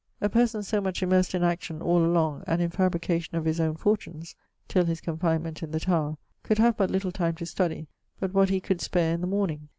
A person so much immerst in action all along and in fabrication of his owne fortunes, (till his confinement in the Tower) could have but little time to study, but what he could spare in the morning.